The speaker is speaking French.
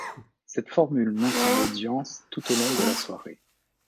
Cette formule maintient l'audience tout au long de la soirée.